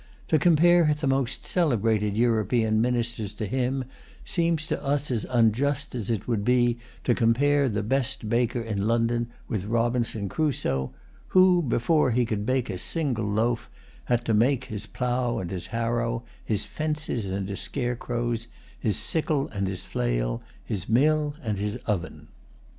To compare the most celebrated European ministers to him seems to us as unjust as it would be to compare the best baker in London with Robinson Crusoe, who, before he could bake a single loaf, had to make his plough and his harrow, his fences and his scarecrows, his sickle and his flail, his mill and his oven.